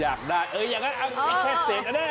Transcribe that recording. อยากได้เอออย่างนั้นแค่เศษ